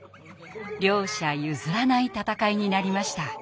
両者譲らない戦いになりました。